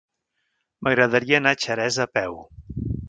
M'agradaria anar a Xeresa a peu.